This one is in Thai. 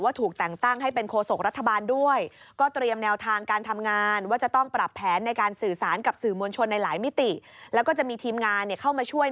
ว่าถูกแต่งตั้งให้เป็นโคศกรัฐบาลด้วย